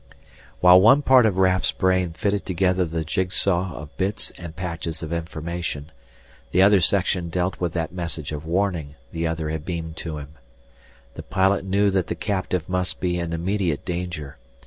While one part of Raf's brain fitted together the jigsaw of bits and patches of information, the other section dealt with that message of warning the other had beamed to him. The pilot knew that the captive must be in immediate danger.